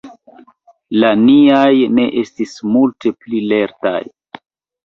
La niaj ne estis multe pli lertaj.